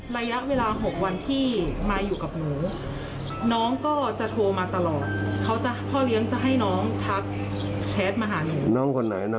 แม่หนูกลัวน้องเป็นเด็กมีปัญหา